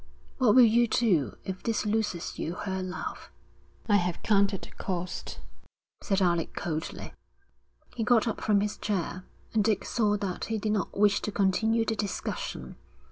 'What will you do if this loses you her love?' 'I have counted the cost,' said Alec, coldly. He got up from his chair, and Dick saw that he did not wish to continue the discussion.